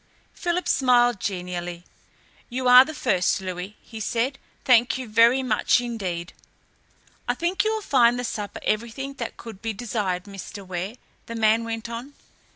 Philip smiled genially. "You are the first, Louis," he said. "Thank you very much indeed." "I think you will find the supper everything that could be desired, Mr. Ware," the man went on.